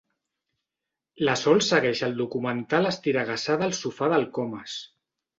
La Sol segueix el documental estiregassada al sofà del Comas.